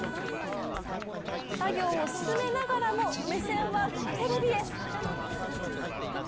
作業を進めながらも目線はテレビへ。